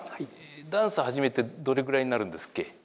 ダンス始めてどれぐらいになるんですっけ？